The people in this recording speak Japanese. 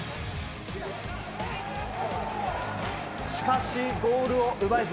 しかしゴールを奪えず。